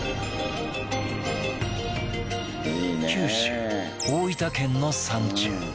九州大分県の山中